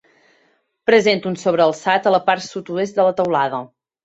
Presenta un sobrealçat a la part sud-oest de la teulada.